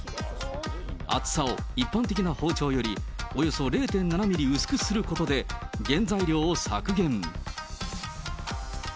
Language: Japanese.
厚さを一般的な包丁よりおよそ０．７ミリ薄くすることで、原材料を削減。